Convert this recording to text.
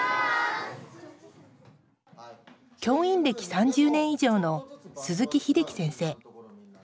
教員歴３０年以上の鈴木秀樹先生。